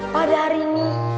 pada hari ini